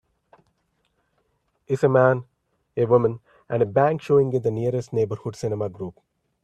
Is A Man, a Woman, and a Bank showing in the nearest Neighborhood Cinema Group